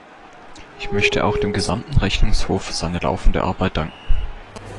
Ich möchte auch dem gesamten Rechnungshof für seine laufende Arbeit danken.